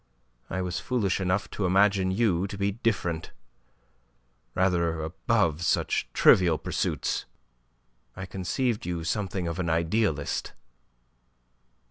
I was foolish enough to imagine you to be different; rather above such trivial pursuits. I conceived you something of an idealist."